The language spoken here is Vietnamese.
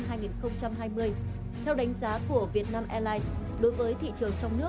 theo đánh giá của vietnam airlines đối với thị trường trong nước nhu cầu đi sẽ tập trung ở các đường bay đi vinh thanh hóa thuế